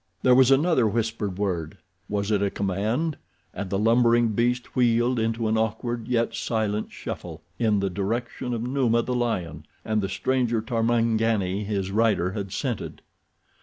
There was another whispered word—was it a command?—and the lumbering beast wheeled into an awkward, yet silent shuffle, in the direction of Numa, the lion, and the stranger Tarmangani his rider had scented.